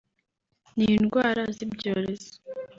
n’indwara z’ibyorezo